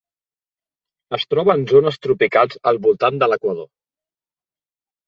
Es troba en zones tropicals al voltant de l'Equador.